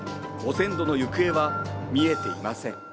汚染土の行方は見えていません。